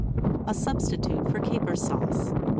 A SUBSTITUTE FOR CAPER SAUCE.